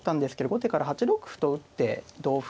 後手から８六歩と打って同歩